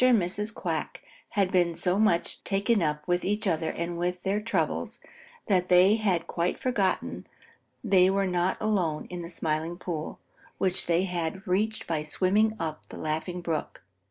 and Mrs. Quack had been so much taken up with each other and with their troubles that they had quite forgotten they were not alone in the Smiling Pool, which they had reached by swimming up the Laughing Brook.